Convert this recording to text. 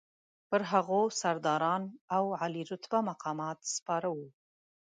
پر هغو سرداران او عالي رتبه مقامات سپاره وو.